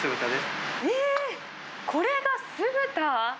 えー、これが酢豚？